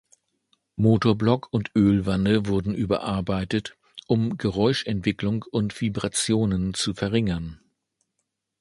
Motorblock und Ölwanne wurden überarbeitet, um Geräuschentwicklung und Vibrationen zu verringern.